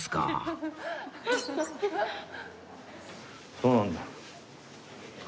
そうなんだ。